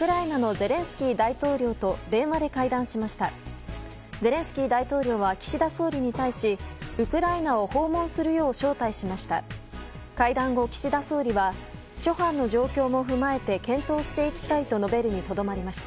ゼレンスキー大統領は岸田総理に対しウクライナを訪問するよう招待しました。